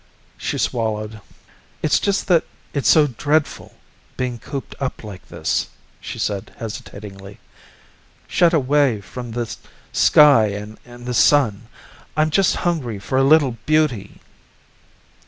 She swallowed. "It's just that it's so dreadful being cooped up like this," she said hesitatingly, "shut away from the sky and the Sun. I'm just hungry for a little beauty."